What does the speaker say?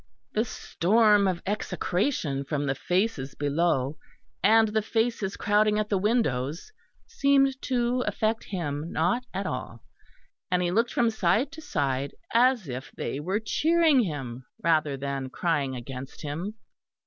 The storm of execration from the faces below, and the faces crowding at the windows, seemed to affect him not at all; and he looked from side to side as if they were cheering him rather than crying against him.